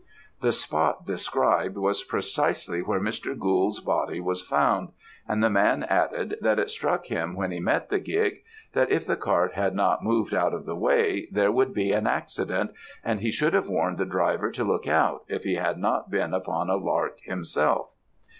"The spot described was precisely where Mr. Gould's body was found; and the man added, that it struck him when he met the gig, that if the cart had not moved out of the way, there would be an accident, and he should have warned the driver to look out, if he had not been upon a lark himself.